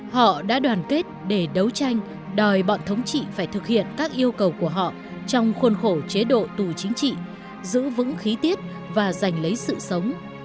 họ đã đoàn kết để đấu tranh đòi bọn thống trị phải thực hiện các yêu cầu của họ trong khuôn khổ chế độ tù chính trị giữ vững khí tiết và dành lấy sự sống